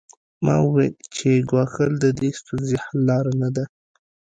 ما وویل چې ګواښل د دې ستونزې حل لاره نه ده